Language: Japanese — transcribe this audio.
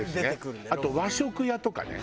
あと和食屋とかね。